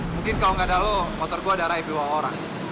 mungkin kalau nggak ada lo motor gue darahin dua orang